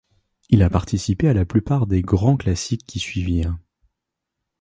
Il a participé à la plupart des grands classiques qui suivirent.